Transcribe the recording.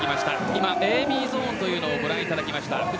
今、ＡＢゾーンというのをご覧いただきました。